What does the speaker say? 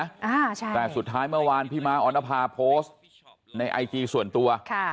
อ่าใช่แต่สุดท้ายเมื่อวานพี่ม้าออนภาโพสต์ในไอจีส่วนตัวค่ะ